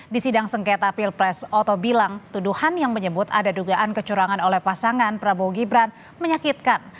di sidang sengketa pilpres otobilang tuduhan yang menyebut ada dugaan kecurangan oleh pasangan prabowo gibran menyakitkan